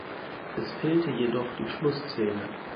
Es fehlte jedoch die Schlussszene.